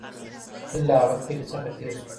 فیل له هغه کلي څخه تېر سو.